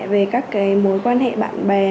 về các cái mối quan hệ bạn bè